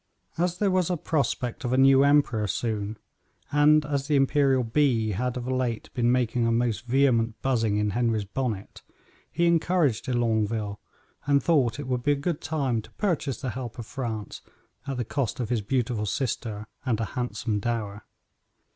As there was a prospect of a new emperor soon, and as the imperial bee had of late been making a most vehement buzzing in Henry's bonnet, he encouraged de Longueville, and thought it would be a good time to purchase the help of France at the cost of his beautiful sister and a handsome dower.